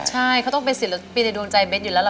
ใช่เขาต้องเป็นศิลปินในดวงใจเด็ดอยู่แล้วล่ะ